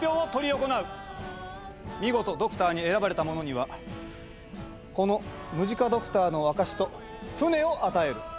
見事ドクターに選ばれた者にはこのムジカドクターの証しと船を与える。